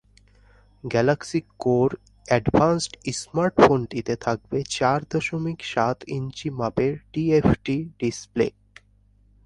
Galaxy Core Advanced স্মার্টফোনটিতে থাকবে চার দশমিক সাত ইঞ্চি মাপের টিএফটি ডিসপ্লে।